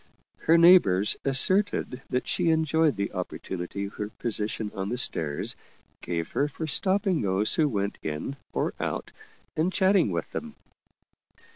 Her neighbors asserted that she enjoyed the oppor tunity her position on the stairs gave her for stopping those who went in or out, and chatting with them.